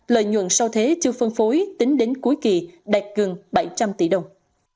lợi nhuận sau thế chưa phân phối tính đến cuối kỳ đạt gần bảy trăm linh tỷ đồng